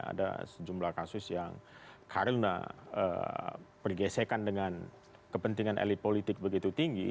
ada sejumlah kasus yang karena pergesekan dengan kepentingan elit politik begitu tinggi